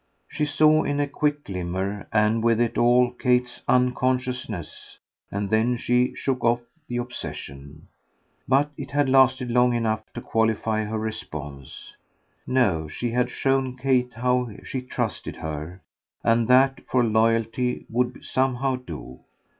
She saw in a quick glimmer, and with it all Kate's unconsciousness; and then she shook off the obsession. But it had lasted long enough to qualify her response. No, she had shown Kate how she trusted her; and that, for loyalty, would somehow do.